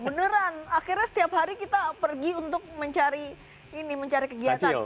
beneran akhirnya setiap hari kita pergi untuk mencari ini mencari kegiatan